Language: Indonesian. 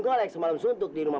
kalau susu pak mansur nggak diterima